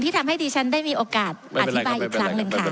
ทำให้ดิฉันได้มีโอกาสอธิบายอีกครั้งหนึ่งค่ะ